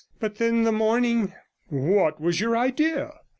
But then the morning!' 'What was your idea?'